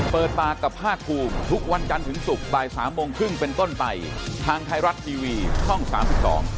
พบกันใหม่วันจันทร์หน้าฮะบ่ายสามครึ่งครับสวัสดีครับ